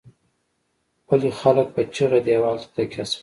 پلې خلک په چيغه دېوال ته تکيه شول.